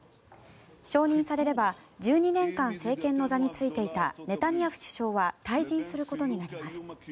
承認されれば１２年間、政権の座に就いていたネタニヤフ首相は退陣することになります。